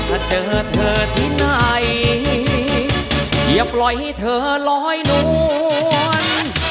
ถ้าเจอเธอที่ไหนอย่าปล่อยให้เธอลอยนวล